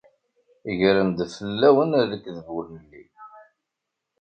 Gren-d fell-awen lekdeb ur nelli.